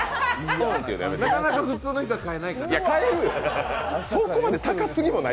なかなか普通の人は買えないかな？